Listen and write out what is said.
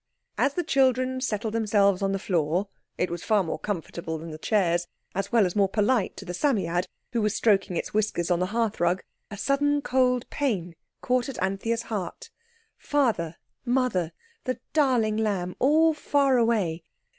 As the children settled themselves on the floor—it was far more comfortable than the chairs, as well as more polite to the Psammead, who was stroking its whiskers on the hearth rug—a sudden cold pain caught at Anthea's heart. Father—Mother—the darling Lamb—all far away.